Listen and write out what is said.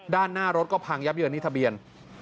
ด้านหน้ารถก็พังยับเยินนี่ทะเบียน